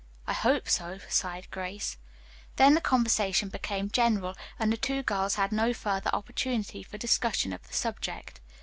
"I hope so," sighed Grace. Then the conversation became general and the two girls had no further opportunity for discussion of the subject.